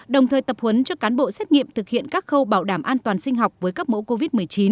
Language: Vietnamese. đồng thời tập huấn cho cán bộ xét nghiệm thực hiện các khâu bảo đảm an toàn sinh học với các mẫu covid một mươi chín